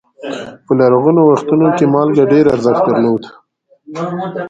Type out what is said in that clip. په لرغونو وختونو کې مالګه ډېر ارزښت درلود.